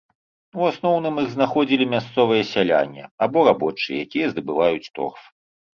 У асноўным іх знаходзілі мясцовыя сяляне або рабочыя, якія здабываюць торф.